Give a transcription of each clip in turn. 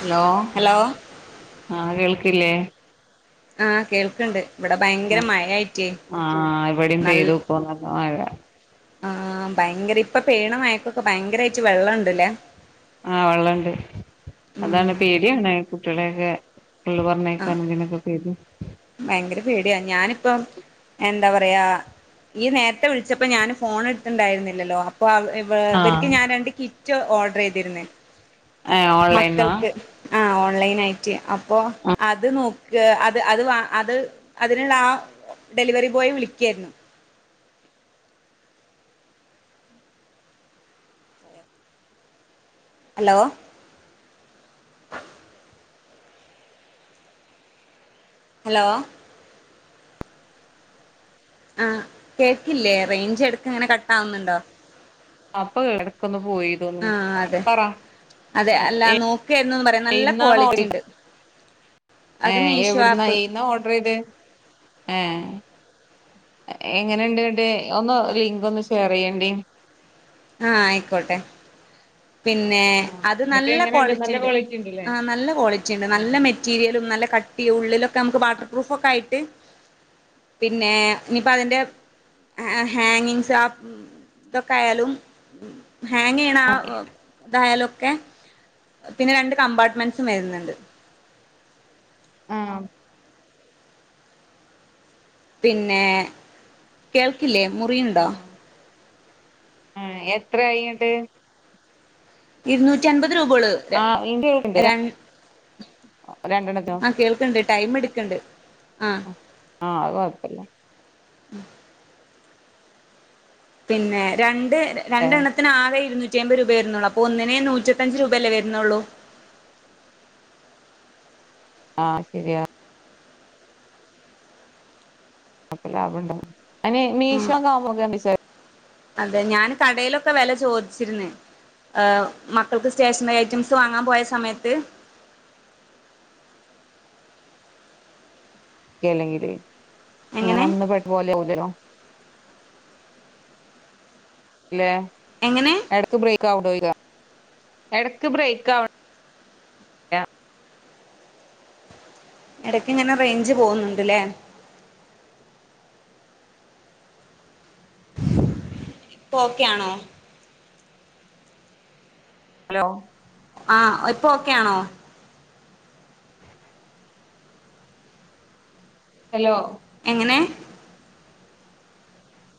Hello hello ആഹ കേൾ ട്ടില്ലേ ആഹ് കേൾക്ക്ണ്ട് ഇവിടെ ഭയങ്കര മഴയായിട്ടേ ആ ആ ഇവടിം പെയ്തു ഇപ്പൊ [unintelligible] മഴ ആ ഭയങ്കര ഇപ്പ പെയ്യണ മഴക്കൊക്കെ ഭയങ്കര ച്ചു വെള്ളം ഇണ്ട് ലേ ആ വെള്ളമുണ്ട് ഉം അതാണ് പേടിയാണ് കുട്ടികളേക്കെ ഫുള്ള് ആഹ് പറഞ്ഞേക്കാം [unintelligible] ഭയങ്കര പേടിയാ ഞാനിപ്പം എന്താ പറയാ ഈ നേരത്തെ വിളിച്ചപ്പം ഞാന് ഫോണ് എടുത്തിണ്ടായിരുന്നില്ലല്ലോ ഇപ്പൊ അവ ഇവ ഇവർക്ക് ആഹ് ഞാൻ രണ്ട് കി റ്റ് ഓഡറ് ചെയ്തിരുന്നേ ഏഹ് ഓൺലൈനാ മക്കൾക്ക് ആ ഓ ൺലൈനായിട്ട് അപ്പോ അത് നോക്ക അത് അത് അത് അതിനുള്ള ആ ഡെലിവറി ബോയ് വിളിക്കയായിരുന്നു ഹലോ ഹലോ ആ കേക്കില്ലേ റയ്ഞ്ച് എടുക്കിങ്ങനെ കട്ടാവുന്നുണ്ടോ അപ്പോ എടുക്കുന്നു ആ അതെ അതെ അല്ല നോക്കയാരുന്നെന്ന് പറയാ നല്ല ക്വാളിറ്റി ഉണ്ട് ഏ അത് മീഷോ എവിടുന്നാ ആപ്പ് എതീന്ന ഓർഡർ ചെയ്തെ ഏ എങ്ങനെണ്ട് അതിന്റെ ഒന്ന് ലിങ്കൊന്ന് ഷെയർ ചെയ്യണ്ടി ആ ആയിക്കോട്ടെ പിന്നെ ആഹ് അത് എന്നിട്ട് നല്ല എങ്ങനെയുണ്ട് ക്വാളിറ്റി നല്ല ഇണ്ട് ഉണ്ടല്ലേ ആ നല്ല ക്വാളിറ്റി ഇണ്ട് നല്ല ആഹ് മെറ്റീരിയലും നല്ല കട്ടി ഉള്ളിലൊക്കെ നമുക്ക് വാട്ടർ പ്രൂഫൊക്കെ ആയിട്ട് പിന്നെ ഇനിപ്പം അതിൻ്റെ ഹാ ഹാങ്ങിൻസ് ആ ഇതൊക്കെ ആയാലും ഉം ഹാങ്ങ്‌ ചെയ്യണ ആ ഇതായാലൊക്കെ പിന്നെ രണ്ട് കമ്പാർട്ട്മെന്റസും വരുന്നുണ്ട് ആഹ് പിന്നെ കേൾക്കില്ലേ മുറിയുണ്ടോ? ആഹ് ആഹ് എത്ര കഴിഞ്ഞിട്ട് ഇരുനൂറ്റി അമ്പ ത് രൂപ ആഹ് ഇന്റെ കേൾക്ക്ണ്ട് [unintelligible] രണ്ടെണ്ണത്തിനും ആഹ് കേൾക്കനുണ്ട് ടൈം എടുക്കണ്ട് ആ ആ അത് കൊഴപ്പമില്ല പിന്നെ രണ്ട് ന്റെ രണ്ടണ്ണത്തിന് ആകെ ഇരുന്നൂ നൂറ്റിഎമ്പത് രൂപയെ വരുന്നുള്ളൂ അപ്പൊ ഒന്നിന് നൂറ്റിഇരുപത്തഞ്ച് രൂപയല്ലേ വരുന്നുള്ളൂ ആഹ് ശരിയാ അപ്പൊ ലാഭം ഇണ്ടാവും അയിന് മീഷോ ന്നാവുമ്പോക്കെന്തേച്ചാല് അതെ ഞാന് കടയിലൊക്കെ വെല ചോദിച്ചിര്ന്ന് ഏ മക്കൾക്ക് സ്റ്റേഷനറി ഐറ്റംസ് വാങ്ങാൻ പോയ സമയത്ത് കേലെങ്കില് ഞൻ എങ്ങനെ അന്ന് പെട്ടു പോല ലനോ [unintelligible] അല്ലെ എങ്ങനെ അടുത്ത് ബ്രേക്ക്ഔടയി എടക്ക് ബ്രേക്ക് ആവണം [unintelligible] ഇടക്ക ഇങ്ങനെ റേഞ്ച് പോകുന്നുണ്ട്ല്ലേ? ഇപ്പൊ ഓക്കെയാണോ? ഹലോ ആഹ ഇപ്പ ഒക്കെയാണോ? ഹലോ എങ്ങനെ?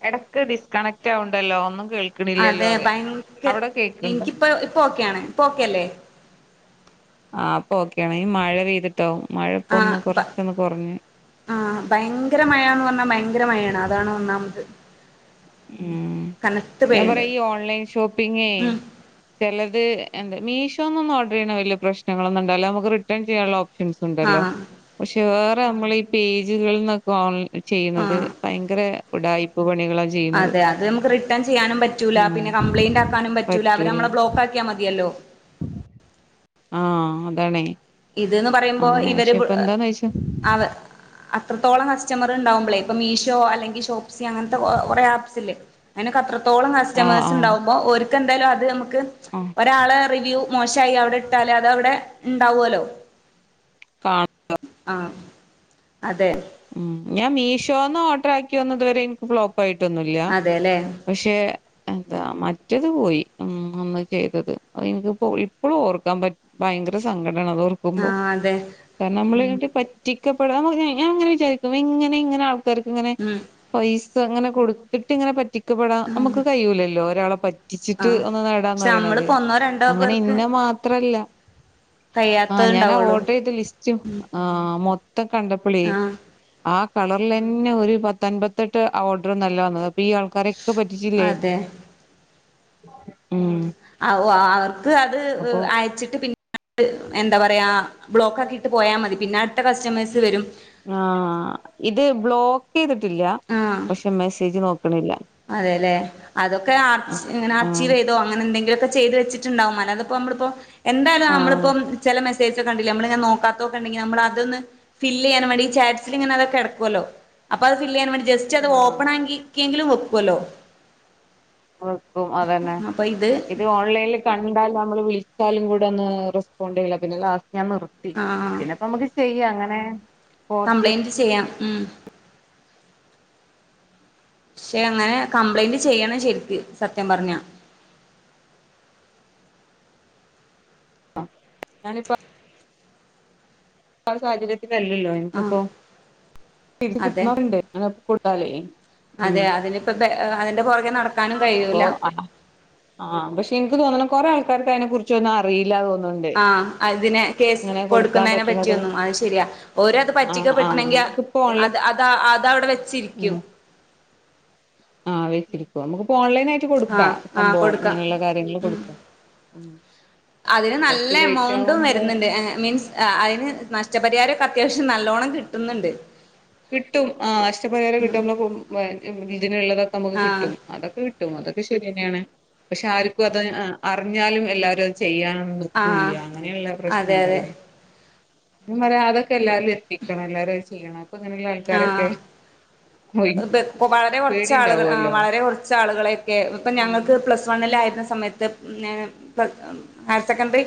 ഇടക്ക് ഡിസ്കണക്റ്റ് ആവണ്ടല്ലോ ഒന്നും കേൾക്ക്ണില്ലല്ലോ അതെ പറയാ ഭയങ്കര അവിടെ കേക്ക്ണ്ടോ എനിക്കിപ്പ ഇപ്പൊ ഓക്കെയാണ് ഇപ്പൊ ഓക്കെല്ലേ? ആ ഇപ്പോ ഓക്കെയാണ് ഈ മഴ പെയ്തിട്ട് ആ ആ ഭയങ്കര മഴാന്ന് പറഞ്ഞാ ഭയങ്കര മഴയാണ് അതാണ് ഒന്നാമത്. ഉം കനത്ത് ഞാൻ പെയ്യ്ണ്ട് പറയാ ഈ ഓൺലൈൻ ഷോപ്പിംഗേ ഉം ചിലത് എന്ത മീഷോന്ന് ഒന്നും ഓർഡർ ചെയ്യണ വലിയ പ്രശ്നങ്ങളൊന്നുണ്ടാവലില്ലാ നമുക്ക് റിട്ടേൺ ചെയ്യാനുള്ള ഓ ഉണ്ടല്ലോ ആഹ് പക്ഷേേ [unintelligible] നമ്മളീ പേജുകളിൽന്നൊക്കെ ഓ ചെയ്യുന്നത് ആഹ് ഭയങ്കര ഉടായിപ്പ് പണികളെ അതെ അത് നമുക്ക് റിട്ടേൺ ചെയ്യാനും പറ്റൂല ഉം പിന്നെ കംപ്ലൈന്റ് ആക്കാനും പറ്റൂല അവര് നമ്മെ ബ്ലോക്ക് ആക്കിയാ മതിയല്ലോ ആഹ് അതാണേ. ഇത്ന്ന് പറയുമ്പോ അങ്ങനെ ഇവര് പക്ഷെ ഇപ്പ എന്താന്ന് വെച്ചാ അവ അത്രത്തോളം കസ്റ്റമർ ഉണ്ടാകുമ്പോളേ ഇപ്പൊ മീഷോ അല്ലെങ്കിൽ ഷോപ്സി അങ്ങനത്തെ കുറെ ആപ്സ്സില്ലേ അതിനൊക്കെ അത്ര ത്തോളം ആഹ് കസ്റ്റമേഴ്സ് ആഹ് ഉണ്ടാവുമ്പോൾ ഓരു എന്തായാലും അത് ക്ക് ആഹ് ഒരാളെ റിവ്യൂ മോശായി അത് അവിടെ ഇട്ടാലതവിടെ ഉണ്ടാവുമല്ലോ കാണ ആഹ് അതെ. ഉം ഞാൻ മീഷോന്ന് ഓർഡർ ആക്കി വന്നത് വരെ എനിക്ക് ബ്ലോ കുഴപ്പായിട്ടൊന്നുമില്ല അതെല്ലേ പക്ഷേ എന്താ മറ്റത് പോയി ഉം ഒന്ന് ചെയ്തത് അ എനിക്കിപ്പോ ഇപ്പോഴും ഓർക്കാൻ പ ഭയങ്കര സങ്കടം ടാണ് അതോർക്കുമ്പോ ആഹ് അതെ കാരണം നമ്മളീ [unintelligible] പറ്റിക്കപ്പെടാന്ന് പറഞ്ഞ കഴിഞ്ഞാൽ അങ്ങനെ ഇരിക്കും. ശരിക്കും എങ്ങനെ ഇങ്ങനെ ആൾ ക്കാർക്ക് ഇങ്ങനെ ഉം പൈസ അങ്ങനെ കൊടുത്തിട്ട് ങ്ങനെ പറ്റി ക്കപ്പെടൻ നമുക്ക് കയൂല്ലല്ലോ ഒരാളെ പ റ്റിച്ചിട്ട് ആഹ് ഒന്ന് നേടാന്ന് പക്ഷെ പറയ്ണത് നമ്മളിപ്പോ ഒന്നോ രണ്ടോ അങ്ങനെ പേർക്ക് ഇന്നെ മാത്രല്ല. ആഹ് കഴിയാത്തത് ഞാനാ ഉണ്ടാവുള്ളൂ ഓർഡർ ചെയ്ത ലിസ്റ്റ് ആഹ് മൊ ത്തം കണ്ടപ്പളെ. ആഹ് ആഹ് കളറിലന്നെ ഒരു പത്തൻമ്പ ത്തെട്ട് ഓർഡർ ഒന്നല്ല വന്നത്. ഇ ആൾക്കാരെക്കെ പറ്റിച്ചില്ലേ? ഉം ഔ ആഹ് അത് അത് അപ്പൊ അയച്ചിട്ട് പിന്നെ എന്താ പറയാ. ബ്ലോക്ക് ആക്കീട്ട് പോയാ മതി പിന്നെ അട്ത്തെ കസ്റ്റമേഴ്സ് വെരും. ആഹ് ഇത് ബ്ലോക്ക് ക്ക് ചെയ്തിട്ടില്ല പക്ഷെ മെസ്സേജ് നോക്ക അതെ ലെ അതൊക്കെ ആർ ആഹ് ആർച്ചിവ് ആഹ് ചെയ്തോ അങ്ങനെ എന്തെങ്കിലൊക്കെ. ചെയ്ത് വച്ചിട്ട് ഇണ്ടാവും അല്ലാതെ അപ്പോ നമ്മള് ഇപ്പോ എന്തായാലും നമ്മള്പ്പം ചെല മെസ്സേജ് ഓ കണ്ടില്ലെ നമ്മള് നോക്കാത്തൊക്കെണ്ടെങ്കി നമ്മള് അതൊ ന്ന് ഫില്ല് ചെയ്യാനു വേണ്ടി ചാറ്റ്സിൽ ഇങ്ങനെ അത് കെട്ക്ക്വല്ലോ അപ്പ അത് ഫില്ല് ചെയ്യാൻ വേണ്ടി ജസ്റ്റ് ഒന്ന് ആഹ് ഓപ്പൺ ആയെങ്കി ക്കേങ്കിലും വെപ്പ് കൊലോ. വെക്കും അതന്നെ ഇത് ഓൺലൈൻല് കണ്ടാൽ നമ്മള് വിളി സ്റ്റാലും കൂടെ ഒന്ന് റെസ്പോണ്ട് ചെയ്താൽ പിന്നെ ലാസ്റ്റ് ഞാൻ നിർത്തി ആ പിന്നെ ഇപ്പം നമുക്ക് ചെയ്യാ അങ്ങനെ മേ കംപ്ലയിന്റ് ചെയ്യ മ്മ് പക്ഷേ അങ്ങനെ കംപ്ലയിന്റ് ചെയ്യണം ശരിക്ക് സത്യം പറഞ്ഞാ ഞാനിപ്പ സംസാരിച്ചിട്ട് ല്ലല്ലോ ആ എനിക്കിപ്പോ ഇത് അതെ കിട്ടണന്നുണ്ട് കൂട്ടാലേ ഉം അതെ [unintelligible] നടക്കാനും അപ്പൊ കഴിയൂല ആ ആഹ് പക്ഷെ ഇന്ക് തോന്ന് ണ് കൊറേ ആൾക്കാര് ഇക്കയിനെ കുറിച്ചൊന്നുഅറീല തോന്ന് ആ അതിനെ കേസ് കൊടുക്കാൻ കൊടുക്കുന്നതിനെ പറ്റണതും പറ്റിയൊന്നും അത് ശരിയാ ഓര അത് ആ ആ പറ്റിക്കപ്പെെട്ടണെങ്കിൽ നമുക്കിപ്പോ ഓൺലൈൻ അത് അതാ അതവിടെ വെച്ചിരിക്കും ആഹ വെച്ചിരിക്കു നമുക്കിപ്പോ ഓൺലൈൻ ആയിട്ട് ആ കൊടുക്കാം ആ സംഭവം കൊടുക്കാം അങ്ങനെയുള്ള കാര്യങ്ങൾ ഉം കൊടുക്ക ഉം അതിന് നല്ല കൊറച്ച് ലേറ്റ് എമൗണ്ടും ആവുന്നുള്ള വരുന്നുണ്ട് ഏ മീൻസ് അതിന് നഷ്ടപരിഹാരം അത്യാവശ്യം നല്ലോണം കിട്ടുന്നുണ്ട് കിട്ടും ആ് അഷ്ടപരിഹാരം കിട്ടുമ്പോ കൊട്ക്കു [unintelligible] [unintelligible] ഇതിനുള്ളതൊക്കെ അമക്ക് ആ കിട്ടും അതൊക്കെ കി കിട്ടും അതൊക്കെ ശരിയെന്നേണ് പക്ഷെ ആർക്കും അത് അറിഞ്ഞാലും എല്ലാരും അത് ചെയ്യാ ആ നിക്കൂല്ല അങ്ങനേള്ള അതെ അതെ പ്രശ്നണ്ടല്ലോ ഞപറയാ അതൊക്കെ എല്ലാരിലും എത്തിക്കണം എല്ലാരും അത് ചെയ്യണം ഇപ്പൊ [unintelligible] ആൾക്കാരൊക്കെ പോയി അത് പെപ്പൊ വളരെ കൊറച്ച് പേടി ആളുകൾ ആ ഉണ്ടാവുമല്ലോ വളരെ കുറച് ആളുകളെക്കെ ഇപ്പൊ ഉം ഞങ്ങൾക്ക് പ്ലസ് വണ്ണിൽ ആയിരുന്ന സമ സമയത്ത്പിന്നെ [unintelligible] ഹയർ സെക്കൻഡറി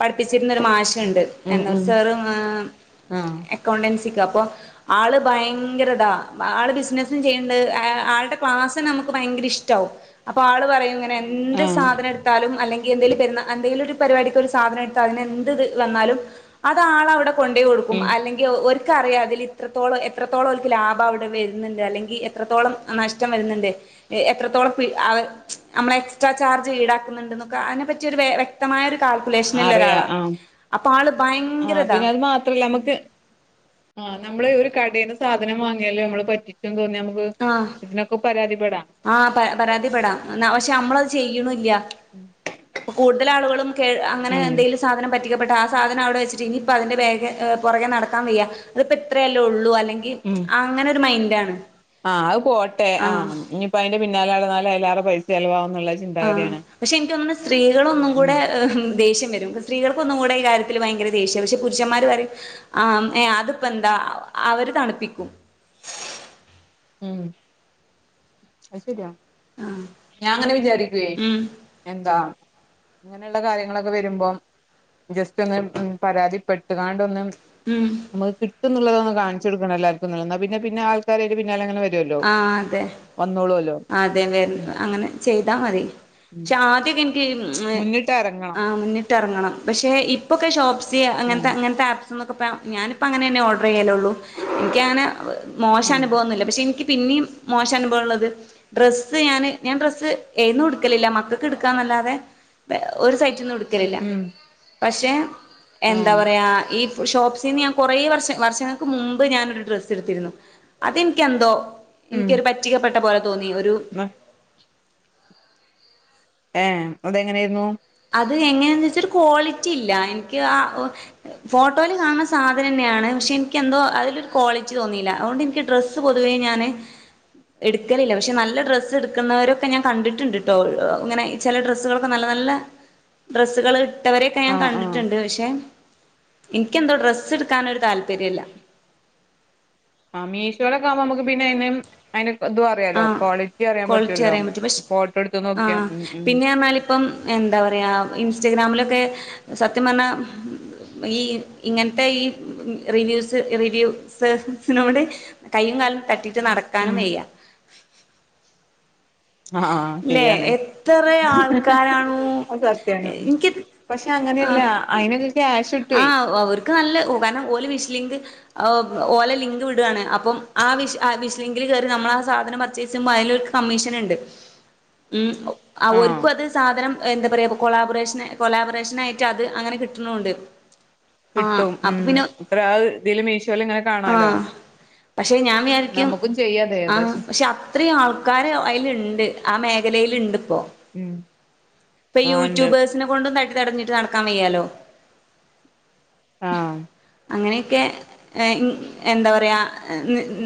പഠിപ്പിച്ചിരിന്നൊരു മാഷ്ണ്ട് ഉം എന്നരു ഉം സാറ് ആഹ് എക്കൗണ്ടൻസിക്ക് അ പ്പൊ ആൾ ഭയങ്കര താ ആൾ ബിസ് ബിസിനസും ചെയ്ണ്ട് അ ആളുടെ ക്ലാസ് നമ്മക് ഭയകര ഇഷ്ട്ടാവും അപ്പ ആൾ പറയും ഇങ്ങനെ എന്ത് ആഹ് സാധനം ഇട്ത്താലും അല്ലെങ്കി എന്തേലും പെരുനാ അന്തേലും ഒരു പരിപാടിക്ക് ഒരു സാധനം ഇട്ത്ത അതിനെന്ത് ത് വന്നാലും അത് ആളവിടെ കൊണ്ടേ കൊടുക്കും ഉം അല്ലെങ്കി ഒല് ക്ക് അറിയാ അതിൽ ഇത്രോള എത്രത്തോളം ലാഭം അവിടെ വര് അല്ലെങ്കി എത്രത്തോളം നഷ്ടം വരുന്ന്ണ്ട് എത്രത്തോളം ഫി അ ഒരു അമ്മള എക്സ്ട്രാ ചാർജ് ഈടാക്കുന്നുണ്ടൊക്കെ അതിനെ പറ്റി വെ വ്യക്തമായ കാൽക്കുലേഷന്ള്ള അറിയാ ഒരാളാ ആഹ് അപ്പൊ ആള് ഭയങ്കര ആഹ് ഇതാ ആ നമ്മള് ഒരു കടേൽ സാധനം വാങ്ങിയാല് നമ്മള് പറ്റിച്ച തോന്നിയാമ്മ ആഹ് ആ പരാ പരാതിപ്പെടാം എന്ന പക്ഷെ അമ്മളത് ചെയ്യ്ണില്ല കൂടുതൽ ആളുകളും പേര് അങ്ങനെ ഉം എന്തെലും സാധനം പറ്റി പറ്റിക്കപെട്ട ആ സാധനം അവിടെ വെച്ചിട്ട് ഇനിയിപ്പതിന്റെ വേഗെ പുറകെ നടക്കാൻ വയ്യ അതിപ്പോ ഇത്രയല്ലേ ഉള്ളൂ അല്ലെങ്കി അങ്ങനെ ഒരു മൈൻ രാണ് അ പോട്ടെ ആഹ് ഇനിപ്പോ അയിന്റെ പിന്നെ നാലാൾ നാലാൾ അവ്ടെ പൈസ ചെലവാവും എന്നുള്ള ആ ചിന്താഗതിയാണ് പക്ഷേ എൻക്ക് തോന്നുന്നു സ്ത്രീകളൊന്നും ഉം കൂടെ ഏ ദേഷ്യം വരു സ്ത്രീകൾക്ക് ഒന്നും കൂടെ ഈ കാര്യത്തില് ഭയങ്കര ദേഷ്യം പക്ഷേ പുരുഷന്മാര് പറയും ആ ഏ അതിപ്പോ എന്താ അ അവര് തണുപ്പിക്കും. ഉം അയ്ശെരിയാ. ഞാ അങ്ങനെ വിചാരിക്കുവേ ഉം എന്താ ഇങ്ങനെയുള്ള കാര്യങ്ങളൊക്കെ വരുമ്പോം ജസ്റ്റ് ഒന്ന് മ് പരാതിപ്പെട്ടുകാണ്ടൊന്ന് ഉം നമുക്ക് കിട്ടുന്നുള്ളതാ. കാണിച്ചോട്ക്കണേല്ലാർക്കുന്ന് ന്നാ പിന്നെ പിന്നെ ആൾക്കാര് [unintelligible] പിന്നാലങ്ങനെ വരു വരുവല്ലോ ആഹ് അതെ വന്നോളൂ. അതെ വര് അങ്ങനെ ചെയ്താ മതി, ഉം ക്ഷേ ആദ്യക്കെ എന് [unintelligible] മുന്നിട്ട് ആ എറങ്ങണം മുന്ന ട്ട് എറങ്ങണം പക്ഷേ ഇപ്പൊക്കെ ഷോപ്സ് ചെ ഉം അങ്ങൻത്ത അങ്ങൻത്താപ് നമ്മക്ക്‌പ്പോ ഞാനിപ്പം അങ്ങനെ തന്നെ ഓർഡർ ചെയ്യലൊള്ളൂ, എനിക്കങ്ങനെ വ് ആഹ് മോശനുഭവംന്നുല്ല, പക്ഷേ എനിക്ക് പിന്നെയും മോശനുഭവള്ളത് ഡ്രസ്സ് ഞാന് ഞാൻ ഡ്രസ്സ് എയ്ന്നും ഇട്ക്കലില്ല, മക്കക്ക് ഇടുക്കാന്നല്ലാതെ വെ ഒരു സൈറ്റിന്ന്ടു ക്കേലില്ല. ഉം പക്ഷേ എന്താ ആഹ് പറയാ ഈ ഷോപ്പ്സീന്ന് ഞാൻ കൊറെേ വർഷ വർഷങ്ങൾക്ക് മുമ്പ് ഞാനൊരു ഡ്രസ്സ് എടുത്തിരുന്നു, അതെനിക്കെന്തോ ഉം എനിക്കൊരു പറ്റികപ്പെട് [unintelligible] തോന്നി ഒരു ഏ അതെങ്ങെനായിരുന്നു. അത് എങ്ങനേന്ന് വെച്ചാ ഒരു ക്വാളിറ്റി ഇല്ല, എനിക്ക് ആ വ് ഫോട്ടോയിൽ കാണുന്ന സാധനംന്നെയാണ് പക്ഷേ എനിക്ക് എന്തോ അതിലൊരു ക്വാളിറ്റി തോന്നിയില്ല, അതുകൊണ്ട് എനിക്ക് ഡ്രസ്സ് പൊതുവേ ഞാന് ഇടുക്കലില്ല, പക്ഷെ നല്ല ഡ്രസ്സ് എടുക്കുന്നവരൊക്കെ ഞാൻ കണ്ടിട്ടുണ്ട്ട്ടോ, വ് അ ഇങ്ങനെ ചെല ഡ്രസ്സുകളൊക്കെ നല്ല നല്ല ഡ്രെസ്സുകള് ഇട്ടവരൊക്കെ ഞാൻ ആഹ് ആഹ് കണ്ടിട്ടുണ്ട്, പക്ഷേ എനിക്കെന്തോ ഡ്രസ്സ്ടുക്കാനൊരു താല്പര്യല്ല. ആ മീശോലൊക്കെ ആവുമ്പോ നമുക്ക് പിന്നെ അയിന് അയിന് ഇതും ആ അറിയാലോ ക്വാളിറ്റി അറിയാൻ ക്വളിറ്റി പറ്റുവല്ലോ അറിയൻ പറ്റും, പഷ് ഫോട്ടോ എടുത്ത് ആ നോക്കിയാ ഉം ഉം പിന്നേ പറഞ്ഞാൽ ഇപ്പം എന്താ പറയാ ഇൻസ്റ്റാഗ്രാമില് ക്കെ സത്യം പറഞ്ഞാൽ ഈ ഇങ്ങനത്തെ ഈ റിവ്യൂസ് റിവ്യൂ സ് സിനോട് കയ്യും കാലും തട്ടി നടക്കാനും ഉം വയ്യ. ആ ആഹ് ല്ലേ ശെരിയാണ്, എത്ര ആൾക്കാരാണോ അത് സത്യാണ്, പക്ഷേ അങ്ങനെയല്ല അയിന് ഒരു ആ അവർക്ക് നല്ല ഓ കാരണം ഓല് വിഷ്‌ലിങ്ക് അ ഓ ഒലെ ലിങ്ക് വിടാണ് അപ്പം ആ വിഷ് ആ വിഷ് ലിങ്കിൽ കേറി നമ്മൾ ആ സാധനം പർച്ചേസ് ചെയ്യുമ്പം അതിലൊൽക്ക് കമ്മീഷന്ണ്ട് ഉം ഒ ആ ഓര്ക്കും അതേ സാധനം എന്താ പറയ കൊളാബ്രേഷൻ കോലാബ്രറേഷനായിട്ട് അത് അങ്ങനെ കി ട്ട്ണുണ്ട് ആ കിട്ടും അപ്പൊ ഉം പിന്നെ ഇത്ര ഇതില് മീഷോല് ഇങ്ങനെ ആ കാണാലോ പക്ഷേ ഞാൻ വിചാരിക്കും നമുക്കും ചെയ്യാതെ ആ പക്ഷെ പക്ഷേ അത്രിം ആൾക്കാര് അയ്ല്ണ്ട് ആ മേഖലയില്ണ്ട് പ്പൊ ഉം ഇപ്പോ ആ ഉണ്ട് യൂട്യൂബേർസ്നെകൊണ്ട് നെട് ത്തടഞ്ഞിട്ട് നട ആ അങ്ങനെയൊക്കെ എ എന്താ പറയാ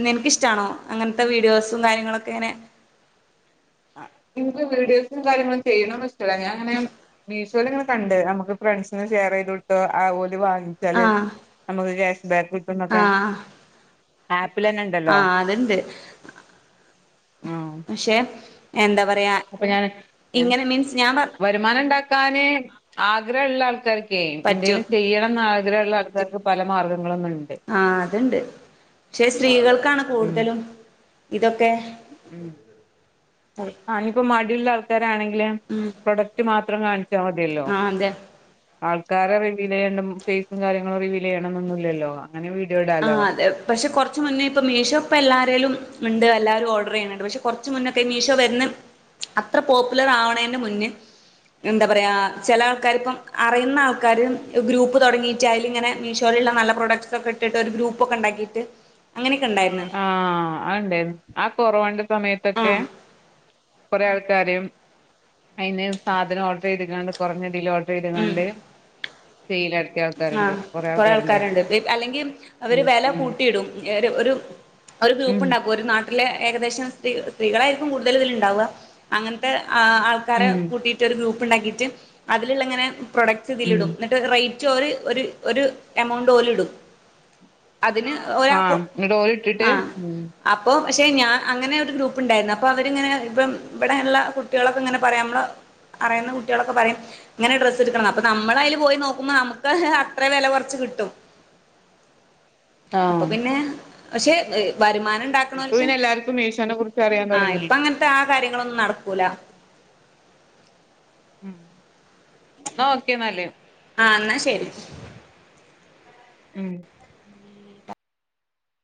നിൻക്കിഷ്ട്ടാണോ അങ്ങൻത്തെ വീഡിയോസും കാര്യങ്ങളൊക്കെ ഇങ്ങനെ ആ ഇൻക്ക് വീഡിയോസും കാര്യങ്ങളും ചെയ്യണോന്നും ഇഷ്ടല്ല ഞാൻ ഇങ്ങനെ മീഷോയിൽ ഇങ്ങനെ കണ്ട് നമ്മക്ക് ഫ്രണ്ട്സിന് ഷെയർ ചെയ്ത് കൊട്ത്ത് ആ ഓ ഇത് വാങ്ങിച്ചാല് ആഹ് നമ്മക്ക് ക്യാഷ്ബാക്ക് കിട്ടുന്നൊക്കെ ആഹ് ആപ്പിലെന്നെ ഇണ്ടല്ലോ പക്ഷേ അപ്പോ ഞാൻ ഞന് മീൻസ് ഞാൻ പ വരുമാനം ഇണ്ടാക്കാന് ആഗ്രഹള്ള ആൾക്കാര് ക്കേ പറ്റും എന്തേലും ചെയ്യണംന്നാ ഗ്രഹള്ള ആൾക്കാർക്ക് പല മാർഗ ആ അത്ണ്ട് പക്ഷെ സ്ത്രീകൾക്കാണ് ഉം കൂടുതലും ഇതൊക്കെ ഉം ആ ഇനിപ്പോ മടിയുള്ള ആൾക്കാരാണെങ്കില് ഉം പ്രൊഡക്റ്റ് മാ ത്രം വാങ്ങി ച്ചാ മതിയല്ലോ ആഹ് അതെ ആൾക്കാരെ റിവീലെയ്യാണ്ട് ഫേസും കാര്യങ്ങള് റിവീലെയ്യണമെന്നൊന്നില്ലല്ലോ ആ അതെ പക്ഷെ കൊറച്ച് മുന്നേ ഇപ്പ മീഷോ ഇപ്പ എല്ലാരേലും ഇണ്ട് എല്ലാരും ഓർഡർ ചെയ്യണിണ്ട് പക്ഷെ കൊറച്ച് മുന്നെ മീഷോ വരുന്ന അത്ര പോപ്പുലറാവണേനു മുന്നെ എന്താ പറയാ ചെല ആൾക്കാര് ഇപ്പം അറിയുന്ന ആൾക്കാര് ഗ്രൂപ്പ് തൊടങ്ങിട്ട് അയിലിങ്ങനെ മീഷോയിലുള്ള നല്ല പ്രോഡക്റ്റ് ഒക്കെ ഇ ട്ടിട്ട് ഒരു ഗ്രൂപ്പൊക്കെ ഇണ്ടാക്കിയിട്ട് അങ്ങനെ ആ അതുണ്ടേരുന്ന് ആ കൊറോണേന്റെ സമയ ആ ത്തൊക്കെ കൊറെ ആൾക്കാര് അയിന് സാധനം ഓർഡർ ചെയ്തിങ്ങാണ്ട് കുറഞ്ഞ തില് ഓർഡറേതങ്ങാണ്ട് സെയിലായി ആ കൊറേ ആൾക്കാരുണ്ട് അല്ലെങ്കിൽ അവര് ഉം വില ഉം കൂട്ടിയിടും. ഒരു ഒരു ഒരു ഗ്രൂപ്പ് ഉം ഉണ്ടാക്കും ഒരു നാട്ടി ലെ ഏകദേശം സ്ത്രീ സ്ത്രീകളായിരിക്കും കൂടുതൽ ഇതിൽ ഉണ്ടാവുക അങ്ങൻത്തെ ആ ആൾക്കാരെ ഉം കൂട്ടിയിട്ടൊരു ഗ്രൂപ്പ് പ്പ് ഉണ്ടാക്കിയിട്ട് അതിലുള്ളങ്ങനെ പ്രോഡക്റ്റ് ഇതിൽ ഉം ഇടും എന്നിട്ട് റേറ്റ് ഓല് ഒര് ഒരു എമൗണ്ട് ഓല്ഇടും അതിന് ഒരാ ആഹ് ന്നിട്ട് ഓല് ഇട്ടിട്ട് ആ ഉം അപ്പൊ പക്ഷേ ഞാൻ അങ്ങനെ ഒരു ഗ്രൂപ്പ്ണ്ടായിരുന്നു അപ്പോൾ അവരിങ്ങനെ ഇപ്പം ഇവിടെഉള്ള കുട്ടികളൊക്കെ ഇങ്ങനെ പറയാ നമ്മൾ അറിയുന്ന കുട്ടികളൊക്കെ പറയും ഇങ്ങനെ ഡ്രസ്സ് എടുക്കണം അപ്പോൾ നമ്മൾ അതിൽ പോയി നോക്കുമ്പോൾ നമുക്ക് ക്ക് അ ഹ് അത്ര വില കുറച്ച് കിട്ടും അപ്പൊ ആഹ് പിന്നെ പക്ഷെ വരുമാനം ഇപ്പൊ ഇണ്ടാക്ണോൽക്ക് പിന്നെ എല്ലാർക്കും മീഷോനെ കുറിച്ച് അറിയാൻ ആ തൊടങ്ങി ഇപ്പ അങ്ങനത്തെ ആ കാര്യങ്ങളൊന്നും നടക്കൂല ഉം എന്നാ ഒക്കേ ഇന്നാല് ആ എന്നാൽ ശരി ഉം